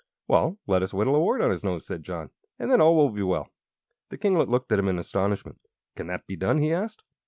"Well, let us whittle a wart on his nose," said John, "and then all will be well." The kinglet looked at him in astonishment. "Can that be done?" he asked.